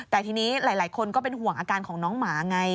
แต่ทีนี้หลายคนก็เป็นห่วงอาการของน้องหมาไง